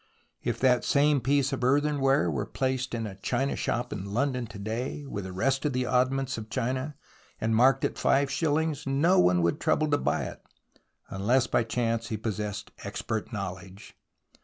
If that same piece of earthenware were placed in a china shop in London to day with the rest of the oddments of china, and marked at five shil lings, no one would trouble to buy it, unless by chance he possessed expert knowledge.